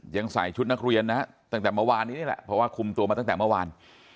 ใส่ชุดนักเรียนนะฮะตั้งแต่เมื่อวานนี้นี่แหละเพราะว่าคุมตัวมาตั้งแต่เมื่อวาน